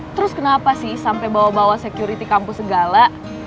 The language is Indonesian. terus kenapa sih sampai bawa bawa security kampus segala